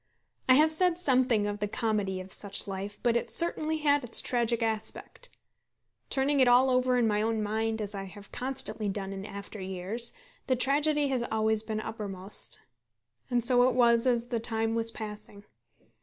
I have said something of the comedy of such life, but it certainly had its tragic aspect. Turning it all over in my own mind, as I have constantly done in after years, the tragedy has always been uppermost. And so it was as the time was passing.